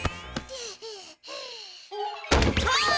あっ！